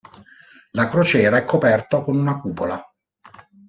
La crociera è coperta con una cupola.